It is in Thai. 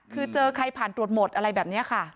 คือเจอใครผ่านตรวจหมดอะไรแบบนี้ค่ะ